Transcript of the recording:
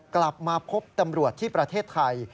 กลับมาพบตำรวจที่ประเทศไทย